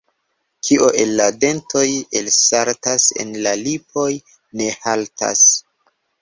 Kio el la dentoj elsaltas, en la lipoj ne haltas.